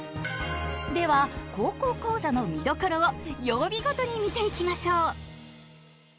では「高校講座」の見どころを曜日ごとに見ていきましょう！